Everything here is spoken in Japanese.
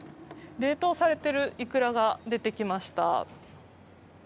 冷凍されているイクラが出てきました。